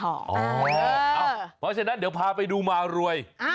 เพราะฉะนั้นเดี๋ยวพาไปดูมารวย